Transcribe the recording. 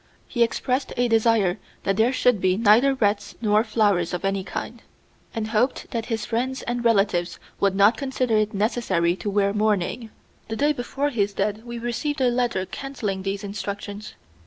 He expressed a desire that there should be neither wreaths nor flowers of any kind, and hoped that his friends and relatives would not consider it necessary to wear mourning. The day before his death we received a letter canceling these instructions.